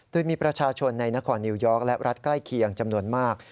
โดยมีประชาชนในนครนิวยอร์กและรัฐใกล้เคียงจำนวนมาก